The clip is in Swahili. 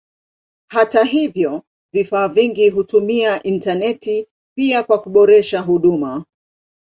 Hata hivyo vifaa vingi hutumia intaneti pia kwa kuboresha huduma.